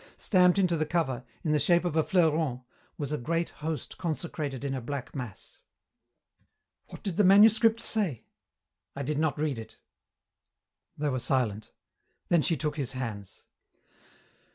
Stamped into the cover, in the shape of a fleuron, was a great host consecrated in a Black Mass." "What did the manuscript say?" "I did not read it." They were silent. Then she took his hands.